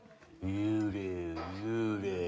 幽霊よ幽霊。